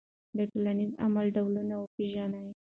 د ټولنیز عمل ډولونه وپېژنئ.